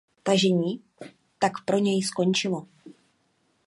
Tažení tak pro něj skončilo.